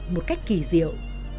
một cách kỳ diệu